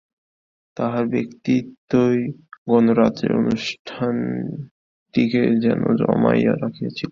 তাঁহার ব্যক্তিত্বই গতরাত্রের অনুষ্ঠানটিকে যেন জমাইয়া রাখিয়াছিল।